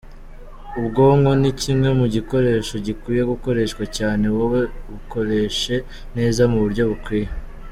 Ubwonko n’ikimwe mugikoresho gikwiye gukoreshwa cyane, wowe bukoreshe neza mu buryo bukwiye.